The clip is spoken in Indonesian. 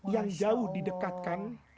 yang jauh didekatkan